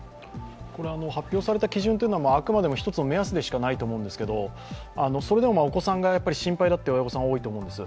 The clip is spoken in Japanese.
発表された基準というのは、あくまでも一つの目安でしかないと思うんですけど、それでもお子さんが心配だという親御さん、多いと思うんです。